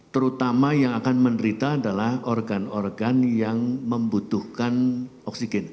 terutama yang akan menderita adalah organ organ yang membutuhkan oksigen